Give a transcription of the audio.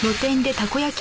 たこ焼き